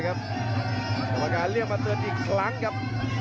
กลับมาเตือนอีกครั้งครับ